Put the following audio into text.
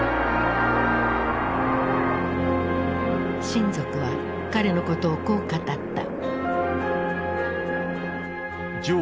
親族は彼のことをこう語った。